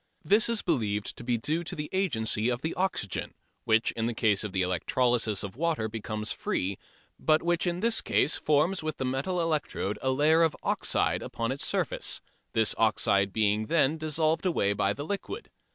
This is believed to be due to the agency of the oxygen which in the case of the electrolysis of water becomes free, but which in this case forms with the metal electrode a layer of oxide upon its surface, this oxide being then dissolved away by the liquid.